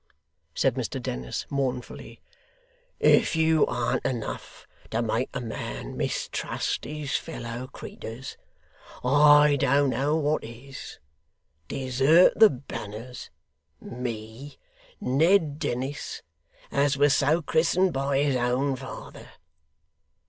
said Mr Dennis, mournfully, 'if you an't enough to make a man mistrust his feller creeturs, I don't know what is. Desert the banners! Me! Ned Dennis, as was so christened by his own father!